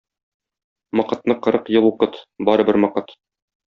Мокытны кырык ел укыт — барыбер мокыт.